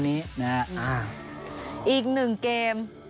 อีกหนึ่งเกม